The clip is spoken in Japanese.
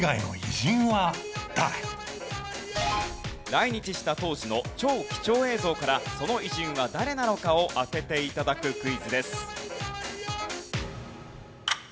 来日した当時の超貴重映像からその偉人は誰なのかを当てて頂くクイズです。